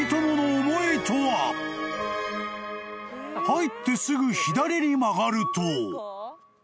［入ってすぐ左に曲がると］